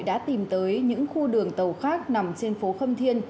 đã tìm tới những khu đường tàu khác nằm trên phố khâm thiên